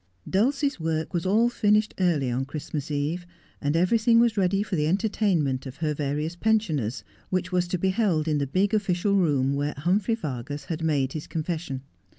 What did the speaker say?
Dulcie's work was all finished early on Christmas Eve, and everything was ready for the entertainment of her various pensioners, which was to be held in the big official room where Humphrey Vargas had made his confession.